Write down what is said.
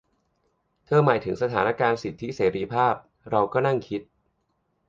เธอหมายถึงสถานการณ์สิทธิเสรีภาพ เราก็นั่งคิด